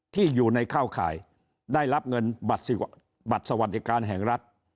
ที่อยู่ในเข้าข่ายได้รับเงินบัตรสวัสดิการแห่งรัฐ